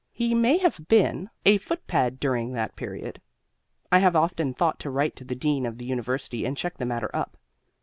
He may have been a footpad during that period. I have often thought to write to the dean of the university and check the matter up.